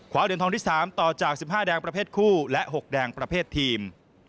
เหรียญทองที่๓ต่อจาก๑๕แดงประเภทคู่และ๖แดงประเภททีม